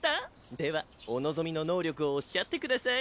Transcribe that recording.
ではお望みの能力をおっしゃってください！